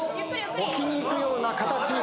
置きにいくような形。